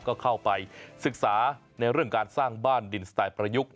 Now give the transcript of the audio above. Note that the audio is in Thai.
ก็เข้าไปศึกษาในเรื่องการสร้างบ้านดินสไตล์ประยุกต์